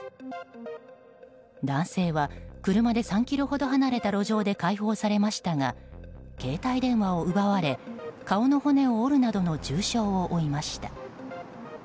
男性は、車で３ｋｍほど離れた路上で解放されましたが携帯電話を奪われ顔の骨を折るなどの重傷を負いました。